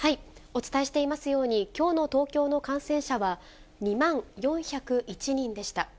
お伝えしていますように、きょうの東京の感染者は２万４０１人でした。